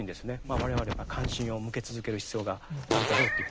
我々やっぱり関心を向け続ける必要があるだろうというふうに思いますね。